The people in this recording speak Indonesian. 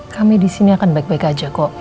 kami di sini akan baik baik aja kok